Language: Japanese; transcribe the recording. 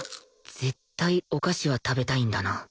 絶対お菓子は食べたいんだな